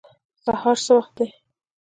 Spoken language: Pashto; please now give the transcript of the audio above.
سهار څه وخت دی؟